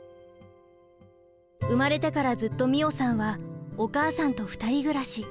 生まれてからずっと美桜さんはお母さんと２人暮らし。